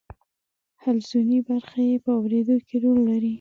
حلزوني برخه یې په اوریدلو کې رول لري.